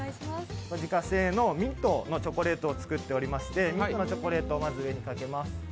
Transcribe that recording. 自家製のミントのチョコレートを作っておりましてミントのチョコレートをまず上にかけます。